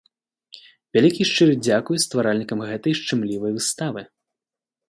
Вялікі і шчыры дзякуй стваральнікам гэтай шчымлівай выставы!